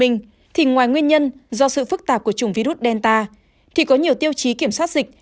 ngoài nguyên nhân do sự phức tạp của chủng virus delta thì có nhiều tiêu chí kiểm soát dịch